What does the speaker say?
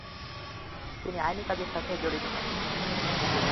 তিনি আইনি কাজের সাথেও জড়িত হন।